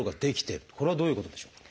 これはどういうことでしょうか？